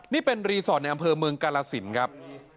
นี่เป็นรีสอร์ทในอำเภอเมืองกาลสินครับ